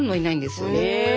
へえ。